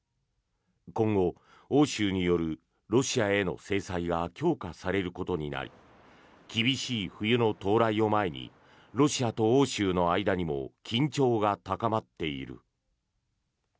今後、欧州によるロシアへの制裁が強化されることになり厳しい冬の到来を前にロシアと欧州の間にも緊張が高まっている。